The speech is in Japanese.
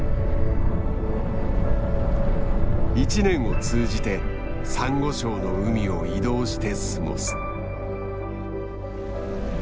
１年を通じてサンゴ礁の海を移動して過ごす。